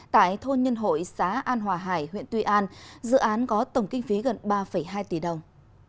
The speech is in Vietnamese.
tại thôn nhân hội xã an hòa hải huyện tuy an dự án có tổng kinh phí gần ba hai tỷ đồng